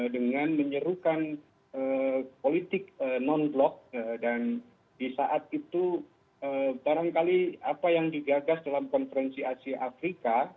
dengan menyerukan politik non blok dan di saat itu barangkali apa yang digagas dalam konferensi asia afrika